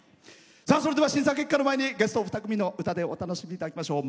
それでは審査結果の前にゲストお二組の歌でお楽しみいただきましょう。